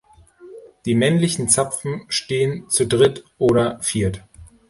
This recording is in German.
Die männlichen Zapfen stehen zu dritt oder viert.